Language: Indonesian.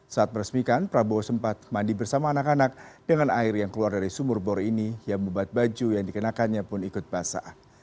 saat meresmikan prabowo sempat mandi bersama anak anak dengan air yang keluar dari sumur bor ini yang membuat baju yang dikenakannya pun ikut basah